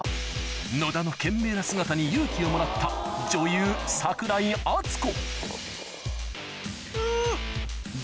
野田の懸命な姿に勇気をもらった女優櫻井淳子